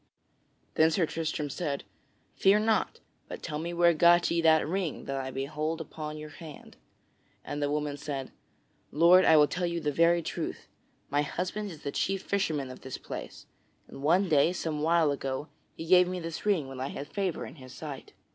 Then Sir Tristram said: "Fear not, but tell me where got ye that ring that I behold upon your hand?" And the woman said: "Lord, I will tell you the very truth. My husband is the chief fisherman of this place, and one day, some while ago, he gave me this ring when I had favor in his sight."